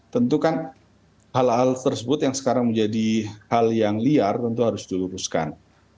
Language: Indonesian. tentu kan hal hal tersebut yang sekarang menjadi hal yang liar tentu harus diluruskan